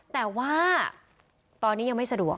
แต่ว่าตอนนี้ยังไม่สะดวก